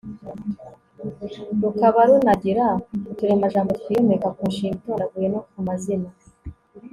rukaba runagira uturemajambo twiyomeka ku nshinga itondaguye no ku mazina